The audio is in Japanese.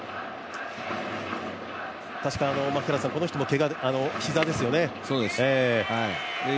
この人も、膝ですよね。